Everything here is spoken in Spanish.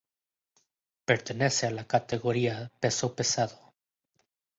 Pertenece a la categoría peso pesado.